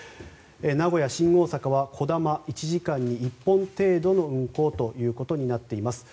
名古屋新大阪は「こだま」、１時間に１本程度の運行ということになっています。